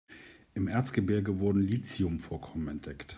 Im Erzgebirge wurden Lithium-Vorkommen entdeckt.